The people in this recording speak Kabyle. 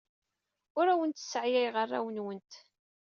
Ur awent-sseɛyayeɣ arraw-nwent.